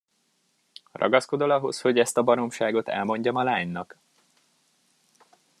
Ragaszkodol ahhoz, hogy ezt a baromságot elmondjam a lánynak?